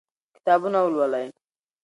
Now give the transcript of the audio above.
کتابونه ولولئ.